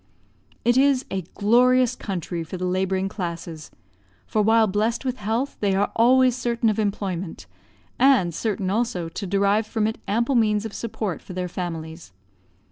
It is a glorious country for the labouring classes, for while blessed with health they are always certain of employment, and certain also to derive from it ample means of support for their families.